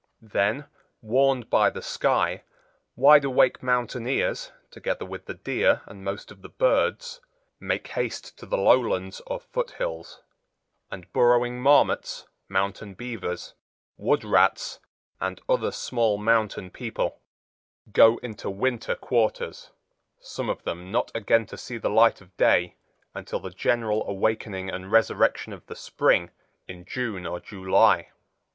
Then, warned by the sky, wide awake mountaineers, together with the deer and most of the birds, make haste to the lowlands or foothills; and burrowing marmots, mountain beavers, wood rats, and other small mountain people, go into winter quarters, some of them not again to see the light of day until the general awakening and resurrection of the spring in June or July.